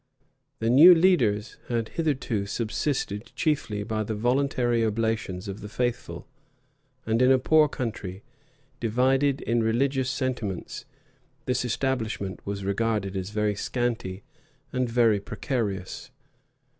The new teachers had hitherto subsisted chiefly by the voluntary oblations of the faithful; and in a poor country, divided in religious sentiments, this establishment was regarded as very scanty and very precarious.